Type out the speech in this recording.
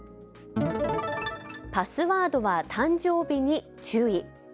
パスワードは誕生日に注意。